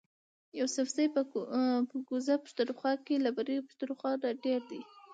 یوسفزي په کوزه پښتونخوا کی له برۍ پښتونخوا نه ډیر دي